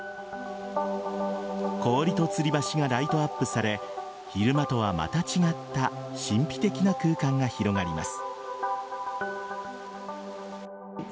氷とつり橋がライトアップされ昼間とはまた違った神秘的な空間が広がります。